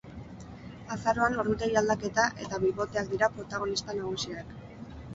Azaroan ordutegi aldaketa eta biboteak dira protagonista nagusiak.